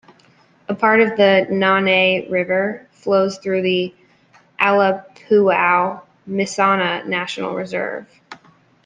A part of the Nanay River flows through the Allpahuayo-Mishana National Reserve.